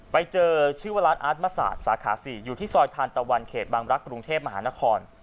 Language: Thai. ไปเจอชื่อว่าร้านอาร์ตมศาสตร์สาขา๔อยู่ที่ซอยทานตะวันเขตบางรักษ์กรุงเทพมหานคร